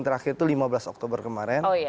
terakhir itu lima belas oktober kemarin